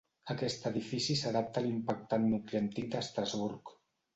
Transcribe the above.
Aquest edifici s'adapta a l'impactant nucli antic d'Estrasburg.